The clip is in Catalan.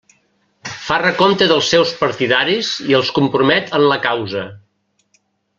Fa recompte dels seus partidaris i els compromet en la causa.